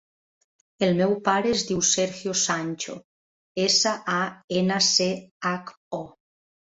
El meu pare es diu Sergio Sancho: essa, a, ena, ce, hac, o.